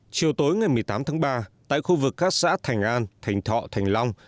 chiều tối ngày một mươi tám tháng ba tại khu vực các xã thành an thành thọ thành long